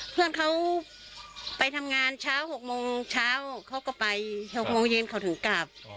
เพื่อนเขาไปทำงานเช้า๖โมงเช้าเขาก็ไป๖โมงเย็นเขาถึงกลับ